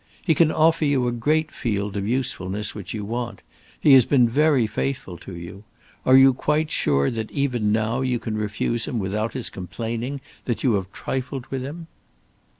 He can offer you a great field of usefulness which you want. He has been very faithful to you. Are you quite sure that even now you can refuse him without his complaining that you have trifled with him?"